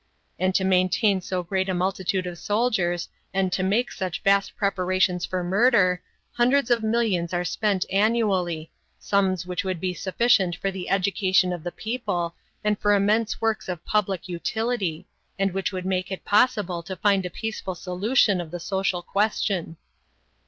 And to maintain so great a multitude of soldiers and to make such vast preparations for murder, hundreds of millions are spent annually, sums which would be sufficient for the education of the people and for immense works of public utility, and which would make it possible to find a peaceful solution of the social question.